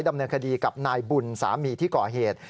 ดำเนินคดีกับนายบุญสามีที่ก่อเหตุ